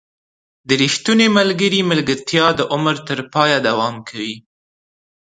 • د ریښتوني ملګري ملګرتیا د عمر تر پایه دوام کوي.